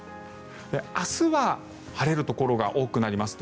明日は晴れるところが多くなります。